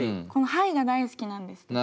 このＨｉｇｈが大好きなんです。